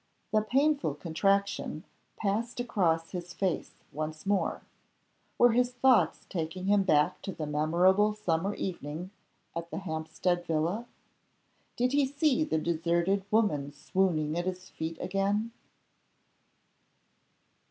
The painful contraction passed across his face once more. Were his thoughts taking him back to the memorable summer evening at the Hampstead villa? Did he see the deserted woman swooning at his feet again?